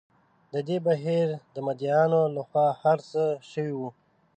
د دې بهیر د مدعییانو له خوا هر څه شوي وو.